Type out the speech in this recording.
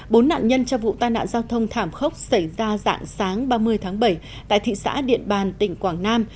bốn nạn nhân trong vụ tai nạn giao thông thảm khốc xảy ra dạng sáng ba mươi tháng bảy tại thị xã điện bàn tỉnh quảng nam